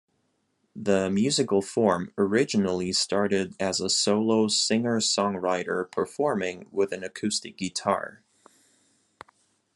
The musical form originally started as a solo singer-songwriter performing with an acoustic guitar.